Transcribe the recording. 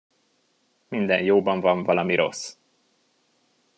Minden jóban van valami rossz.